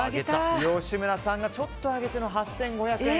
吉村さんがちょっと上げての８５００円。